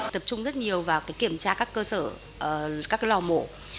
tập trung rất nhiều vào kiểm tra các cơ sở các lò mổ